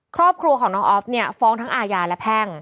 ครอบครัวของน้องออฟเนี่ยฟ้องทั้งอาญาและแพ่ง